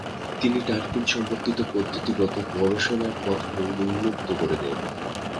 তিনি টারপিন সম্পর্কিত পদ্ধতিগত গবেষণার পথ উন্মুক্ত করে দেন।